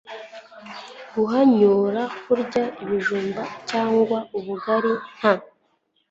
guhanyura kurya ibijumba cyangwa ubugari nta